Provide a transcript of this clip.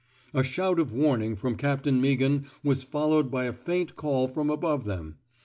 A shout of warning from Captain Meaghan was followed by a faint call from above them.